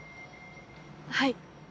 はい。